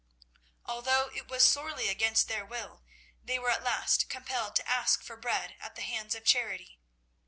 Although it was sorely against their will, they were at last compelled to ask for bread at the hands of charity.